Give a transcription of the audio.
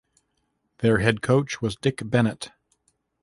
Their head coach was Dick Bennett.